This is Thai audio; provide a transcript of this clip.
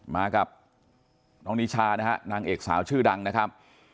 มากับน้องนิชานะฮะนางเอกสาวชื่อดังนะครับ